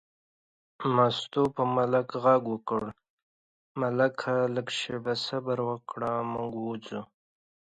مستو په ملک غږ وکړ: ملکه لږه شېبه صبر وکړه، موږ وځو.